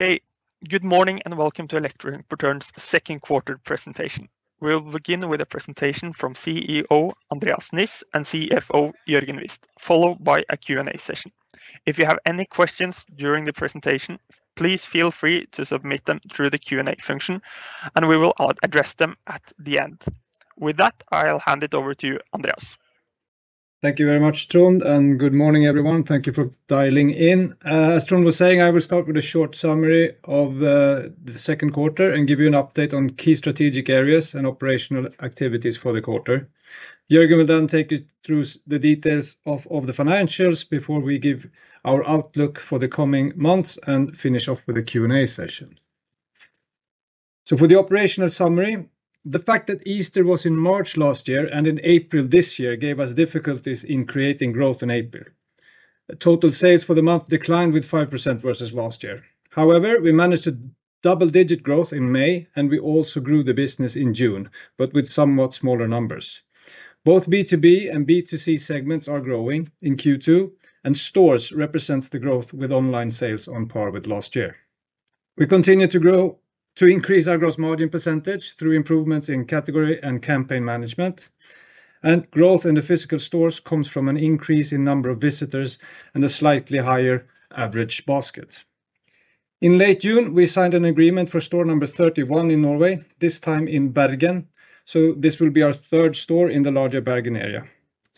Good morning and welcome to Elektroimportøren's Second Quarter Presentation. We'll begin with a presentation from CEO Andreas Niss and CFO Jørgen Wist, followed by a Q&A session. If you have any questions during the presentation, please feel free to submit them through the Q&A function, and we will address them at the end. With that, I'll hand it over to Andreas. Thank you very much, Strond, and good morning everyone. Thank you for dialing in. As Strond was saying, I will start with a short summary of the second quarter and give you an update on key strategic areas and operational activities for the quarter. Jørgen will then take you through the details of the financials before we give our outlook for the coming months and finish off with a Q&A session. For the operational summary, the fact that Easter was in March last year and in April this year gave us difficulties in creating growth in April. Total sales for the month declined by 5% versus last year. However, we managed a double-digit growth in May, and we also grew the business in June, but with somewhat smaller numbers. Both B2B and B2C segments are growing in Q2, and stores represent the growth with online sales on par with last year. We continue to grow to increase our gross margin percentage through improvements in category and campaign management, and growth in the physical stores comes from an increase in the number of visitors and a slightly higher average basket. In late June, we signed an agreement for store number 31 in Norway, this time in Bergen. This will be our third store in the larger Bergen area.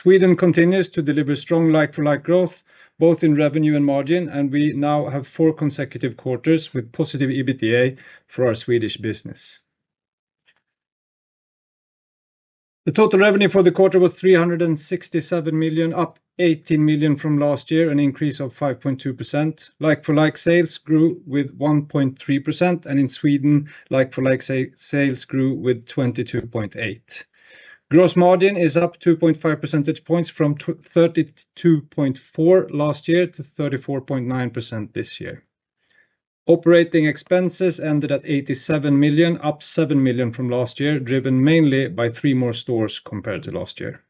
Sweden continues to deliver strong like-for-like growth, both in revenue and margin, and we now have four consecutive quarters with positive EBITDA for our Swedish business. The total revenue for the quarter was 367 million, up 18 million from last year, an increase of 5.2%. Like-for-like sales grew by 1.3%, and in Sweden, like-for-like sales grew by 22.8%. Gross margin is up 2.5 percentage points from 32.4 percentage points last year to 34.9 percentage points this year. Operating expenses ended at 87 million, up 7 million from last year, driven mainly by three more stores compared to last year.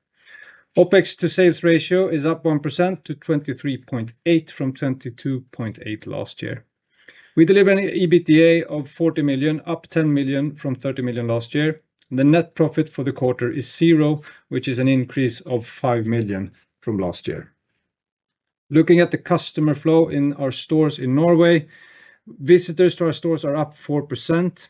OpEx to sales ratio is up 1% to 23.8% from 22.8% last year. We delivered an EBITDA of 40 million, up 10 million from 30 million last year. The net profit for the quarter is zero, which is an increase of 5 million from last year. Looking at the customer flow in our stores in Norway, visitors to our stores are up 4%,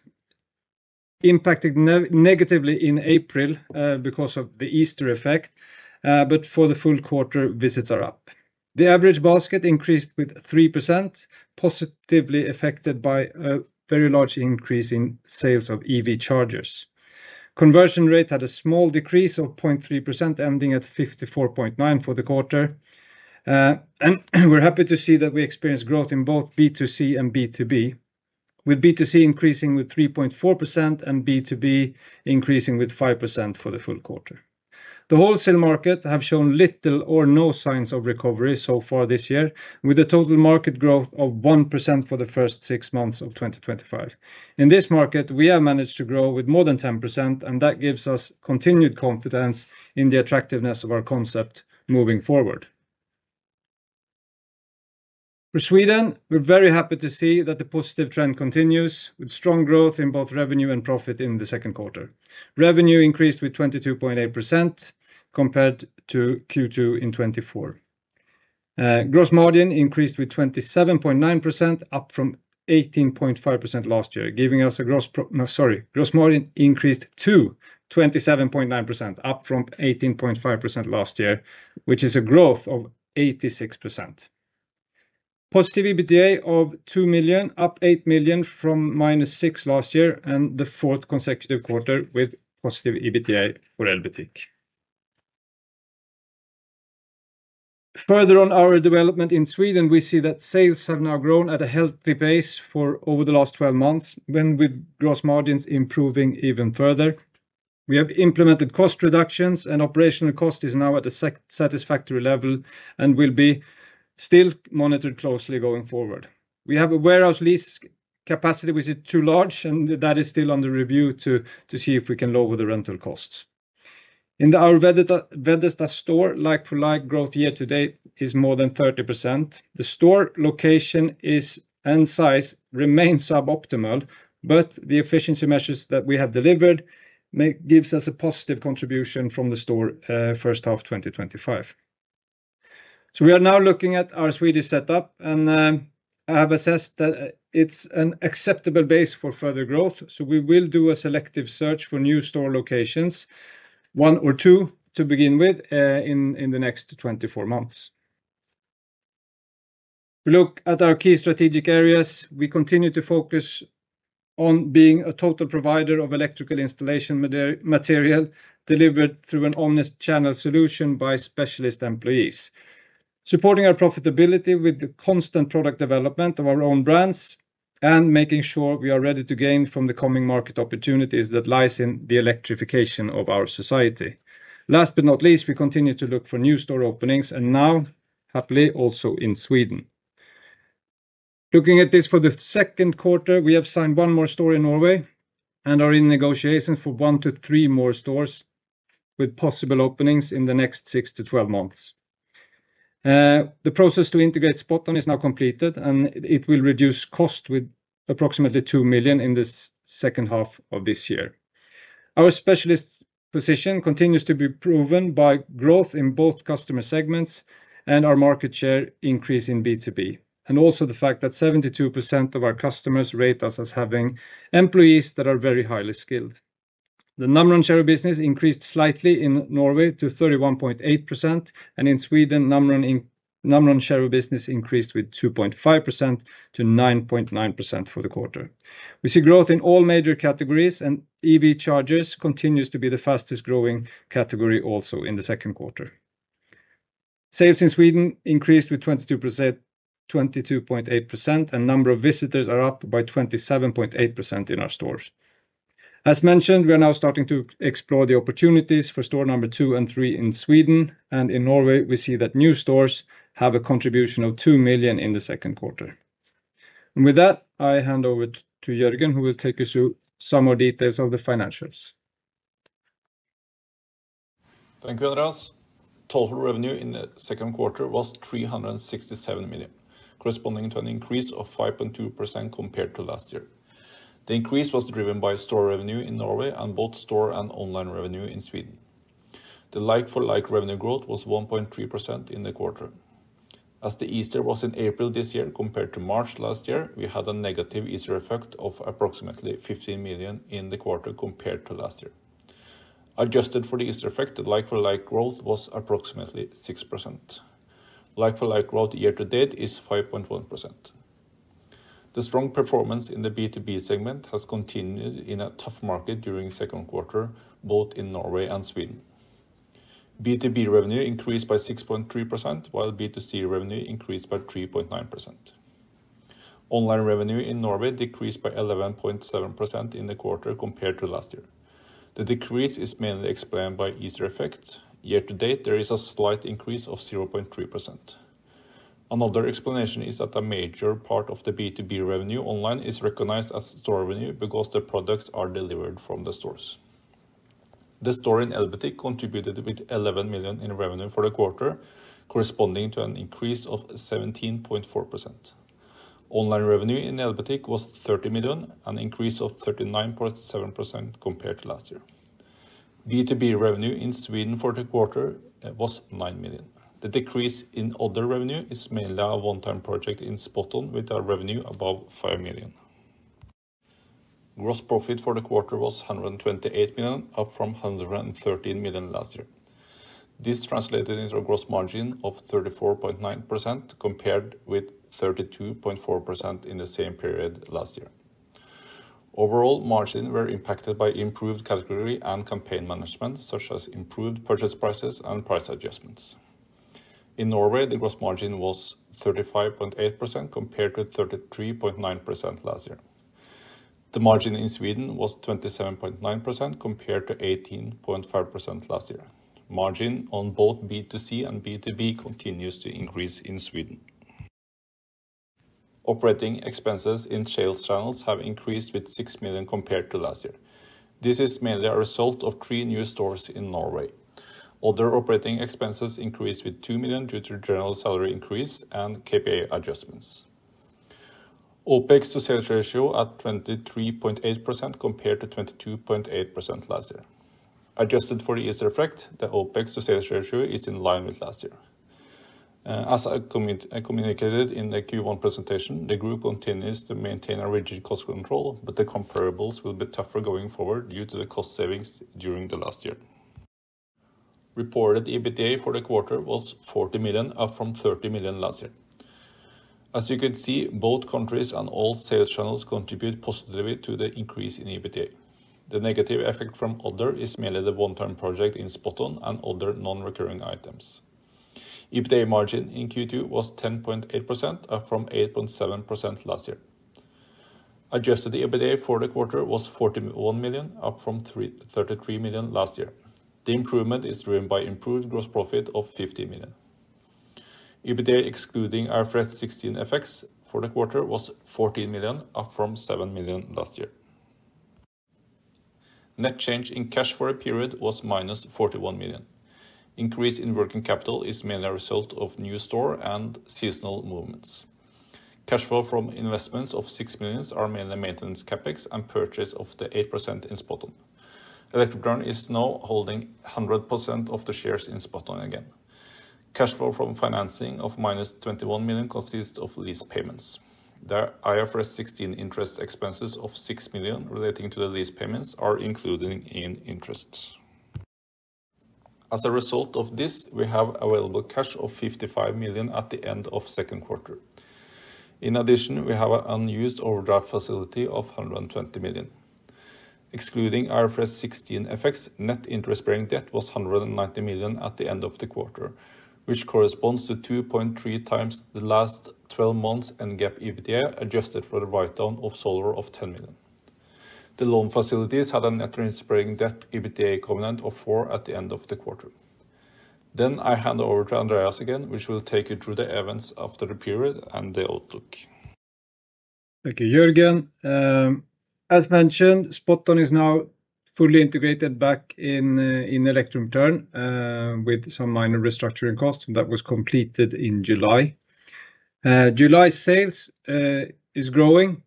impacted negatively in April because of the Easter effect, but for the full quarter, visits are up. The average basket increased by 3%, positively affected by a very large increase in sales of EV chargers. Conversion rate had a small decrease of 0.3%, ending at 54.9% for the quarter, and we're happy to see that we experience growth in both B2C and B2B, with B2C increasing with 3.4% and B2B increasing with 5% for the full quarter. The wholesale market has shown little or no signs of recovery so far this year, with a total market growth of 1% for the first six months of 2025. In this market, we have managed to grow with more than 10%, and that gives us continued confidence in the attractiveness of our concept moving forward. For Sweden, we're very happy to see that the positive trend continues with strong growth in both revenue and profit in the second quarter. Revenue increased with 22.8% compared to Q2 in 2024. Gross margin increased to 27.9%, up from 18.5% last year, which is a growth of 86%. Positive EBITDA of 2 million, up 8 million from -6 million last year and the fourth consecutive quarter with positive EBITDA for Elbutik. Further on our development in Sweden, we see that sales have now grown at a healthy pace over the last 12 months, with gross margins improving even further. We have implemented cost reductions, and operational cost is now at a satisfactory level and will be still monitored closely going forward. We have a warehouse lease capacity which is too large, and that is still under review to see if we can lower the rental costs. In our Veddesta store, like-for-like growth year to date is more than 30%. The store location and size remain suboptimal, but the efficiency measures that we have delivered give us a positive contribution from the store first half 2025. We are now looking at our Swedish setup, and I have assessed that it's an acceptable base for further growth, so we will do a selective search for new store locations, one or two to begin with, in the next 24 months. We look at our key strategic areas. We continue to focus on being a total provider of electrical installation material delivered through an omnichannel solution by specialist employees, supporting our profitability with the constant product development of our own brands and making sure we are ready to gain from the coming market opportunities that lie in the electrification of our society. Last but not least, we continue to look for new store openings and now happily also in Sweden. Looking at this for the second quarter, we have signed one more store in Norway and are in negotiations for one to three more stores with possible openings in the next 6 to 12 months. The process to integrate SpotOn is now completed, and it will reduce costs with approximately 2 million in the second half of this year. Our specialist position continues to be proven by growth in both customer segments and our market share increase in B2B, and also the fact that 72% of our customers rate us as having employees that are very highly skilled. The Namron share business increased slightly in Norway to 31.8%, and in Sweden, Namron share business increased with 2.5%-9.9% for the quarter. We see growth in all major categories, and EV chargers continue to be the fastest growing category also in the second quarter. Sales in Sweden increased with 22.8%, and the number of visitors is up by 27.8% in our stores. As mentioned, we are now starting to explore the opportunities for store number two and three in Sweden. In Norway, we see that new stores have a contribution of 2 million in the second quarter. With that, I hand over to Jørgen, who will take you through some more details of the financials. Thank you, Andreas. Total revenue in the second quarter was 367 million, corresponding to an increase of 5.2% compared to last year. The increase was driven by store revenue in Norway and both store and online revenue in Sweden. The like-for-like revenue growth was 1.3% in the quarter. As the Easter was in April this year compared to March last year, we had a negative Easter effect of approximately 15 million in the quarter compared to last year. Adjusted for the Easter effect, the like-for-like growth was approximately 6%. Like-for-like growth year to date is 5.1%. The strong performance in the B2B segment has continued in a tough market during the second quarter, both in Norway and Sweden. B2B revenue increased by 6.3%, while B2C revenue increased by 3.9%. Online revenue in Norway decreased by 11.7% in the quarter compared to last year. The decrease is mainly explained by Easter effects. Year to date, there is a slight increase of 0.3%. Another explanation is that a major part of the B2B revenue online is recognized as store revenue because the products are delivered from the stores. The store in Elbutik contributed with 11 million in revenue for the quarter, corresponding to an increase of 17.4%. Online revenue in Elbutik was 30 million, an increase of 39.7% compared to last year. B2B revenue in Sweden for the quarter was 9 million. The decrease in other revenue is mainly a one-time project in SpotOn with a revenue above 5 million. Gross profit for the quarter was 128 million, up from 113 million last year. This translated into a gross margin of 34.9% compared with 32.4% in the same period last year. Overall, margins were impacted by improved category and campaign management, such as improved purchase prices and price adjustments. In Norway, the gross margin was 35.8% compared with 33.9% last year. The margin in Sweden was 27.9% compared to 18.5% last year. Margin on both B2C and B2B continues to increase in Sweden. Operating expenses in sales channels have increased by 6 million compared to last year. This is mainly a result of three new stores in Norway. Other operating expenses increased by 2 million due to the general salary increase and KPI adjustments. OpEx to sales ratio is at 23.8% compared to 22.8% last year. Adjusted for the Easter effect, the OpEx to sales ratio is in line with last year. As I communicated in the Q1 presentation, the group continues to maintain a rigid cost control, but the comparables will be tougher going forward due to the cost savings during the last year. Reported EBITDA for the quarter was 40 million, up from 30 million last year. As you can see, both countries and all sales channels contribute positively to the increase in EBITDA. The negative effect from other is mainly the one-time project in SpotOn and other non-recurring items. EBITDA margin in Q2 was 10.8%, up from 8.7% last year. Adjusted EBITDA for the quarter was 41 million, up from 33 million last year. The improvement is driven by an improved gross profit of 50 million. EBITDA excluding IFRS 16 effects for the quarter was 14 million, up from 7 million last year. Net change in cash flow period was -41 million. The increase in working capital is mainly a result of new store and seasonal movements. Cash flow from investments of 6 million are mainly maintenance CapEx and purchase of the 8% in SpotOn. Elektroimportøren is now holding 100% of the shares in SpotOn again. Cash flow from financing of -21 million consists of lease payments. The IFRS 16 interest expenses of 6 million relating to the lease payments are included in interests. As a result of this, we have available cash of 55 million at the end of the second quarter. In addition, we have an unused overdraft facility of 120 million. Excluding IFRS 16 effects, net interest-bearing debt was 190 million at the end of the quarter, which corresponds to 2.3x the last 12 months' NGAP EBITDA adjusted for the write-down of solar of 10 million. The loan facilities had a net interest-bearing debt EBITDA equivalent of 4 at the end of the quarter. I hand over to Andreas again, who will take you through the events after the period and the outlook. Thank you, Jørgen. As mentioned, SpotOn is now fully integrated back in Elektroimportøren with some minor restructuring costs that were completed in July. July sales are growing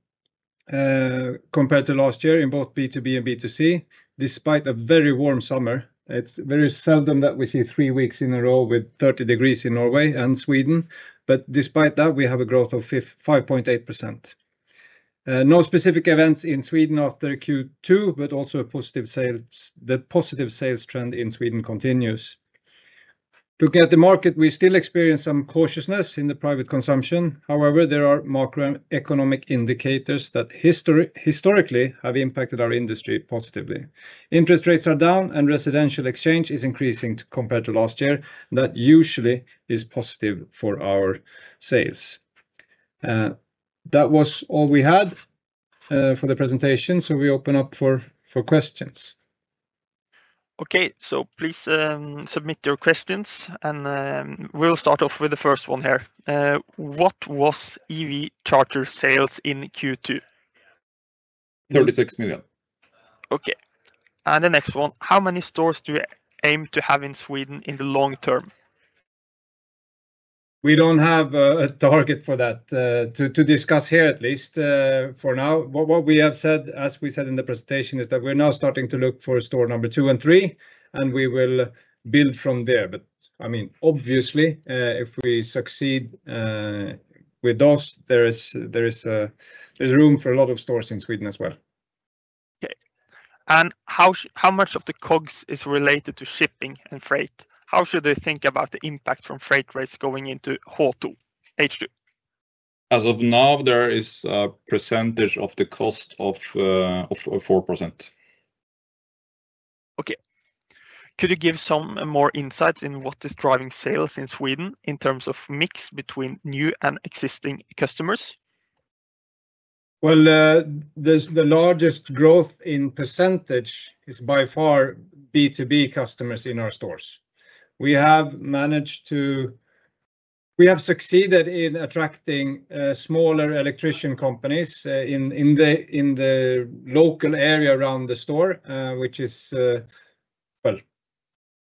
compared to last year in both B2B and B2C, despite a very warm summer. It's very seldom that we see three weeks in a row with 30 degrees in Norway and Sweden, but despite that, we have a growth of 5.8%. No specific events in Sweden after Q2, but also the positive sales trend in Sweden continues. Looking at the market, we still experience some cautiousness in the private consumption. However, there are macroeconomic indicators that historically have impacted our industry positively. Interest rates are down and residential exchange is increasing compared to last year, and that usually is positive for our sales. That was all we had for the presentation, so we open up for questions. Okay, please submit your questions, and we'll start off with the first one here. What was EV charger sales in Q2? 36 million. Okay, the next one, how many stores do we aim to have in Sweden in the long term? We don't have a target for that to discuss here, at least for now. What we have said, as we said in the presentation, is that we're now starting to look for store number two and three, and we will build from there. Obviously, if we succeed with those, there is room for a lot of stores in Sweden as well. Okay, how much of the COGS is related to shipping and freight? How should they think about the impact from freight rates going into H2? As of now, there is a percentage of the cost of 4%. Okay, could you give some more insights into what is driving sales in Sweden in terms of mix between new and existing customers? The largest growth in percentage is by far B2B customers in our stores. We have succeeded in attracting smaller electrician companies in the local area around the store, which is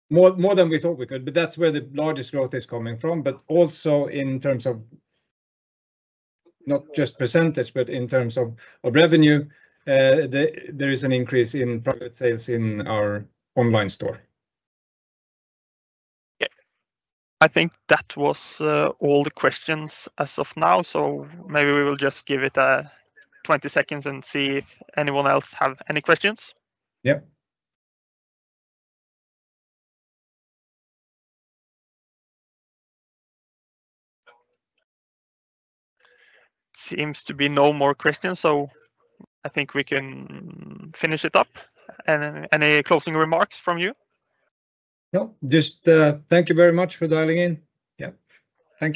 more than we thought we could. That's where the largest growth is coming from. Also, in terms of not just percentage, but in terms of revenue, there is an increase in private sales in our online store. Okay, I think that was all the questions as of now. Maybe we will just give it a 20 seconds and see if anyone else has any questions. Yeah. Seems to be no more questions, so I think we can finish it up. Any closing remarks from you? No, just thank you very much for dialing in. Thank you.